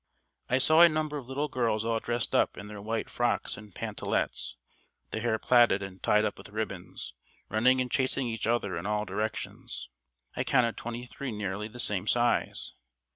I saw a number of little girls all dressed up in their white frocks and pantalets, their hair plaited and tied up with ribbons, running and chasing each other in all directions. I counted twenty three nearly the same size.